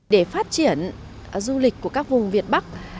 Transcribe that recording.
để phát triển du lịch của các vùng việt bắc